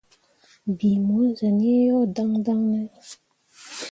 Bii mu zen iŋ yo daŋdaŋ ne ?